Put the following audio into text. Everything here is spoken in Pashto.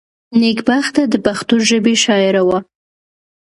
نېکبخته دپښتو ژبي شاعره وه.